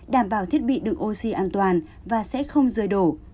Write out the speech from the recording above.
đảm bảo thiết bị đựng oxy an toàn và sẽ không rơi đổ